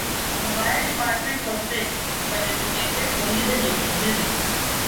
The fire debarment was present, but it protected only the neighboring buildings.